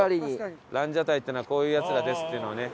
ランジャタイっていうのはこういうヤツらですっていうのをね。